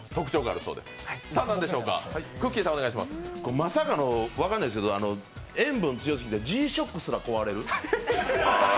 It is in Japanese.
まさかの分かんないですけど、塩分強すぎてＧ−ＳＨＯＣＫすら壊れる？